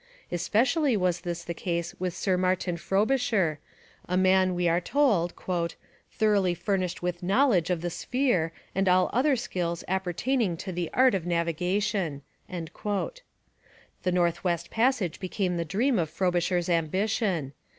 Especially was this the case with Sir Martin Frobisher, a man, we are told, 'thoroughly furnished with knowledge of the sphere and all other skills appertaining to the art of navigation.' The North West Passage became the dream of Frobisher's ambition.